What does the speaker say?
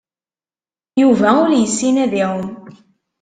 Yuba ur yessin ad iɛum.